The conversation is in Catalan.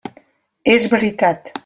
És veritat.